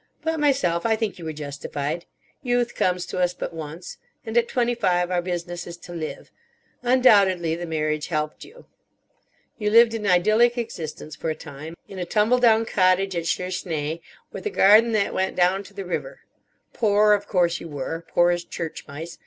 But, myself, I think you were justified. Youth comes to us but once. And at twenty five our business is to live. Undoubtedly the marriage helped you. You lived an idyllic existence, for a time, in a tumble down cottage at Suresnes, with a garden that went down to the river. Poor, of course you were; poor as church mice.